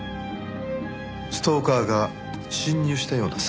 ストーカーが侵入したような細工をした。